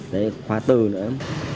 đấy khóa từ nữa